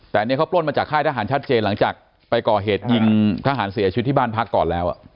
แต่อันนี้เขาปล้นมาจากค่ายทหารชัดเจนหลังจากไปก่อเหตุยิงทหารเสียชีวิตที่บ้านพักก่อนแล้ว